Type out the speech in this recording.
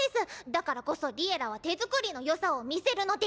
だからこそ「Ｌｉｅｌｌａ！」は手作りの良さを見せるのデス！